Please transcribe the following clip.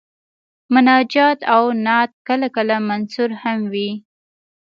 مناجات او نعت کله کله منثور هم وي.